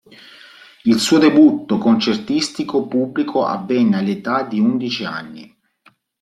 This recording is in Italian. Il suo debutto concertistico pubblico avvenne all'età di undici anni.